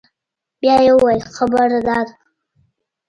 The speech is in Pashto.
بيا يې وويل خبره دا ده.